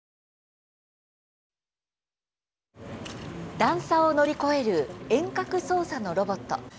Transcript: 段差を乗り越える遠隔操作のロボット。